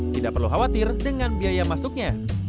tidak perlu khawatir dengan biaya masuknya